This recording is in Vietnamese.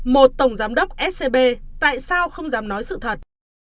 một tổng giám đốc scb tại sao không dám nói sự thật